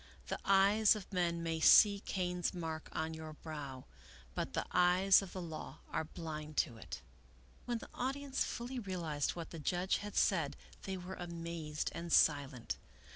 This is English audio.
The eyes of men may see Cain's mark on your brow, but the eyes of the Law are blind to it." 94 Melville Davisson Post When the audience fully realized what the judge had said they were amazed and silent.